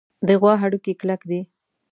د غوا هډوکي کلک دي.